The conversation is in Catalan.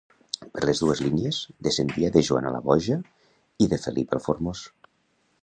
Per les dues línies, descendia de Joana la Boja i de Felip el Formós.